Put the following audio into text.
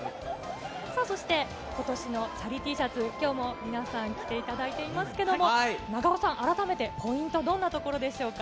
さあそして、ことしのチャリＴシャツ、きょうも皆さん着ていただいていますけれども、長尾さん、改めてポイントはどんなところでしょうか。